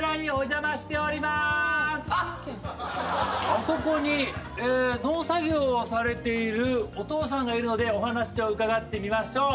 あそこに農作業をされているお父さんがいるのでお話を伺ってみましょう。